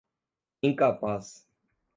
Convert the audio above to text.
incapaz